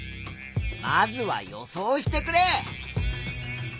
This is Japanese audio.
まずは予想してくれ。